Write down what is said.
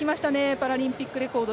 パラリンピックレコード。